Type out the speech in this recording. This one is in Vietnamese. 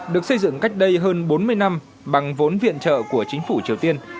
được xây dựng cách đây hơn bốn mươi năm bằng vốn viện trợ của chính phủ triều tiên